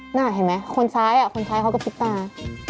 หน้าเห็นมั้ยคนซ้ายอย่างนี้เขาก็พิ้งต่าง